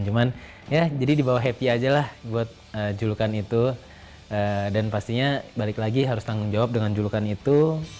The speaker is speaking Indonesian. cuman ya jadi di bawah happy aja lah buat julukan itu dan pastinya balik lagi harus tanggung jawab dengan julukan itu